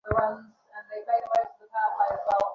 কিন্তু আমার চোখে ছিল দারুণ আকর্ষণীয়।